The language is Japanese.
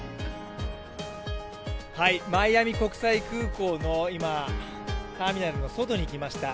マイアミ国際空港の今、ターミナルの外に来ました。